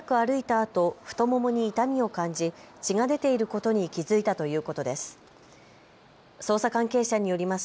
あと太ももに痛みを感じ血が出ていることに気付いたということです。